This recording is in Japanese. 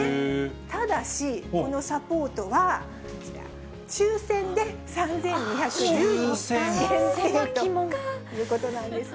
ただし、このサポートは、こちら、抽せんで３２１０人限定ということなんですね。